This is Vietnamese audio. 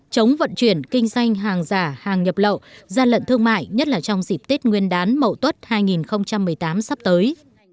chống vận chuyển kinh doanh hàng giả hàng nhập lậu gian lận thương mại nhất là trong dịp tết nguyên đán mậu tuất hai nghìn một mươi tám sắp tới